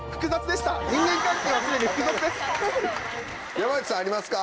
山内さんありますか？